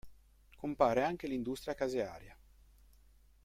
Compare anche l'industria casearia.